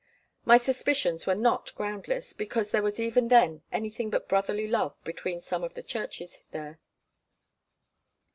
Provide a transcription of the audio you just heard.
My suspicions were not groundless, because there was even then anything but brotherly love between some of the churches there.